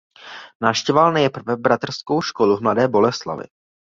Navštěvoval nejprve bratrskou školu v Mladé Boleslavi.